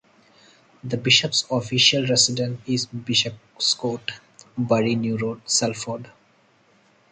The bishop's official residence is Bishopscourt, Bury New Road, Salford.